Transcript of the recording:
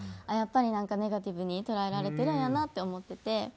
あっやっぱりなんかネガティブに捉えられてるんやなって思ってて。